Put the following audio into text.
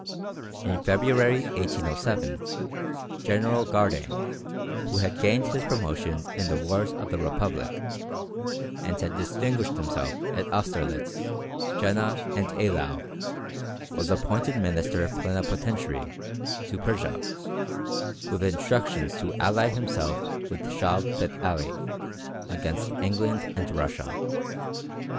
In February, 1807, General Gardane, who had gained his promotion in the wars of the Republic, and had distinguished himself at Austerlitz, Jena, and Eylau, was appointed Minister Plenipotentiary to Persia, with instructions to ally himself with Shah Feth Ali against England and Russia.